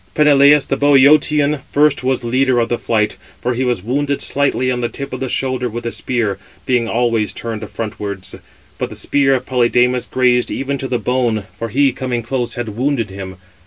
Peneleus, the Bœotian, first was leader of the flight; for he was wounded slightly 565 on the tip of the shoulder with a spear, being always turned frontwards; but the spear of Polydamas grazed even to the bone, for he, coming close, had wounded him.